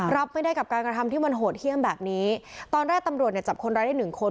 รับไม่ได้กับการกระทำที่มันโหดเยี่ยมแบบนี้ตอนแรกตำรวจเนี่ยจับคนร้ายได้หนึ่งคน